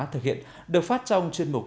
thực hiện được phát trong chuyên mục